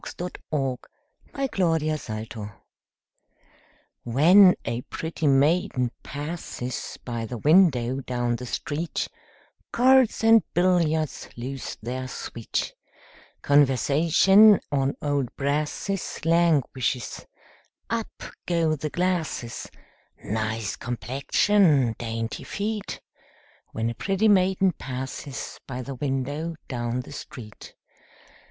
U V . W X . Y Z At the Club When a pretty maiden passes By the window down the street, Cards and billiards lose their sweet; Conversation on old brasses Languishes; up go the glasses: "Nice complexion!" "Dainty feet!" When a pretty maiden passes By the window down the street.